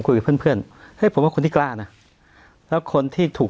คุยกับเพื่อนเพื่อนเฮ้ยผมว่าคนที่กล้านะแล้วคนที่ถูก